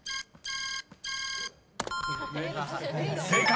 ［正解！］